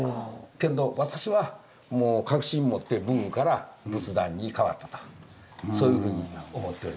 けど私は確信持って武具から仏壇にかわったとそういうふうに思っております。